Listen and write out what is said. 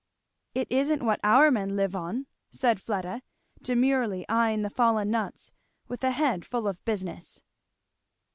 "It isn't what our men live on," said Fleda, demurely eying the fallen nuts, with a head full of business.